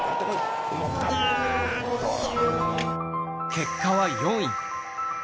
結果は４位。